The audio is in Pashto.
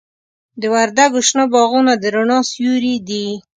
د وردګو شنه باغونه د رڼا سیوري دي.